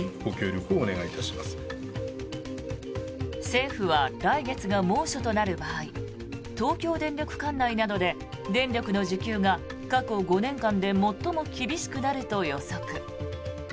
政府は来月が猛暑となる場合東京電力管内などで電力の需給が過去５年間で最も厳しくなると予測。